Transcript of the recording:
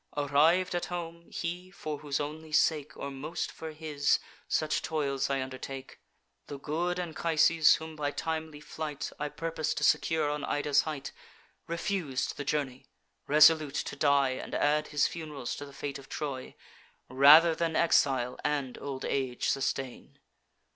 Arriv'd at home, he, for whose only sake, Or most for his, such toils I undertake, The good Anchises, whom, by timely flight, I purpos'd to secure on Ida's height, Refus'd the journey, resolute to die And add his fun'rals to the fate of Troy, Rather than exile and old age sustain.